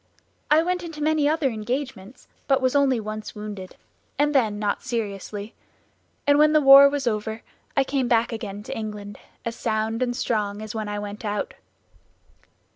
I went into many other engagements, but was only once wounded, and then not seriously; and when the war was over I came back again to England, as sound and strong as when I went out."